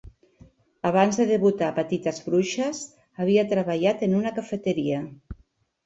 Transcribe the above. Abans de debutar a "Petites bruixes", havia treballat en una cafeteria.